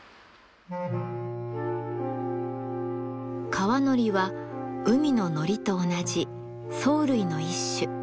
川海苔は海の海苔と同じ藻類の一種。